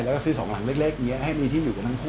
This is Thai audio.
แล้วก็ซื้อสองหลังเล็กอย่างนี้ให้มีที่อยู่กันทั้งคู่